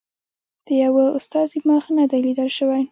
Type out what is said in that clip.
د یوه استازي مخ نه دی لیدل شوی.